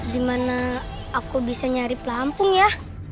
di mana aku bisa nyari pelampung ya